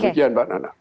demikian mbak nana